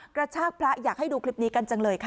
กระชากพระอยากให้ดูคลิปนี้กันจังเลยค่ะ